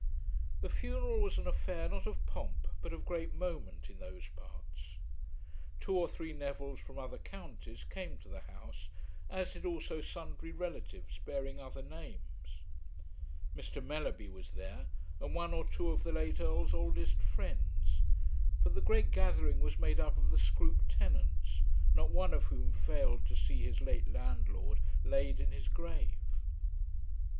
The funeral was an affair not of pomp but of great moment in those parts. Two or three Nevilles from other counties came to the house, as did also sundry relatives bearing other names. Mr. Mellerby was there, and one or two of the late Earl's oldest friends; but the great gathering was made up of the Scroope tenants, not one of whom failed to see his late landlord laid in his grave.